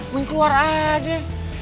mon keluar aja